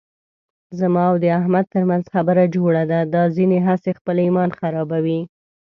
زما او د احمد ترمنځ خبره جوړه ده، دا ځنې هسې خپل ایمان خرابوي.